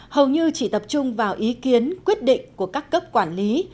hầu như chỉ tập trung vào ý kiến quyết định của các cấp quản lý